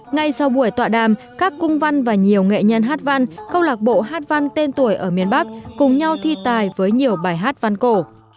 ngay sau buổi tọa đàm các cung văn và nhiều nghệ nhân hát văn câu lạc bộ hát văn tên tuổi ở miền bắc cùng nhau thi tài với nhiều bài hát văn cổ